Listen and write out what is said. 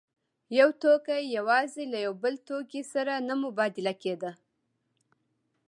یو توکی یوازې له یو بل توکي سره نه مبادله کېده